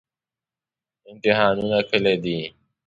امتحانونه کله دي؟